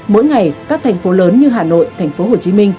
mỗi ngày các thành phố lớn như hà nội tp hcm